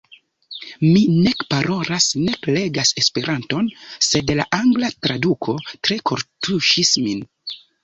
Mi nek parolas nek legas Esperanton, sed la angla traduko tre kortuŝis min.